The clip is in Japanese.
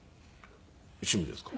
趣味ですか？